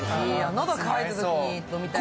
喉渇いたときに飲みたいね。